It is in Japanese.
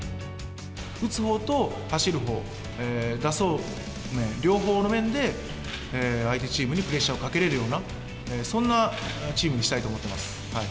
打つほうと走るほう、打走面、両方の面で、相手チームにプレッシャーをかけれるような、そんなチームにしたいと思ってます。